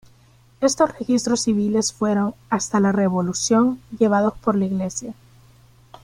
Estos registros civiles fueron, hasta la Revolución, llevados por la Iglesia.